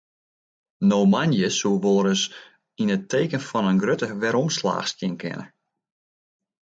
No moandei soe wolris yn it teken fan in grutte waarsomslach stean kinne.